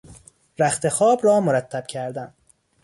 رختخواب را مرتب کردن